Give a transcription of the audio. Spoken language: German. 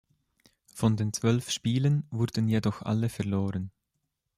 Von den zwölf Spielen wurden jedoch alle verloren.